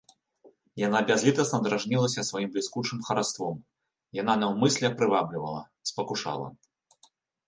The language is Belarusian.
Яна бязлітасна дражнілася сваім бліскучым хараством, яна наўмысля прываблівала, спакушала.